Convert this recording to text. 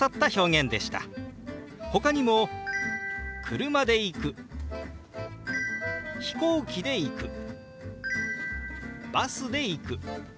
ほかにも「車で行く」「飛行機で行く」「バスで行く」。